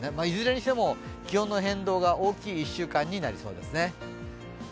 いずれにしても気温の変動が大きい１週間になりそうですね。